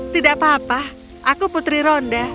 tidak apa apa aku putri ronda